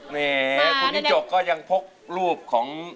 นี่คุณปี่จกก็ยังพกรูปของ